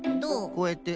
「こうやって」。